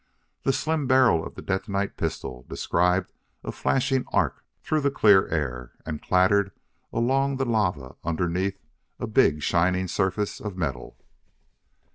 The slim barrel of the detonite pistol described a flashing arc through the clear air and clattered along the lava underneath a big shining surface of metal.